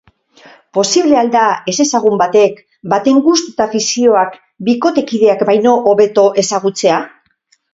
Posible al da ezezagun batek baten gustu eta afizioak bikotekideak baino hobeto ezagutzea?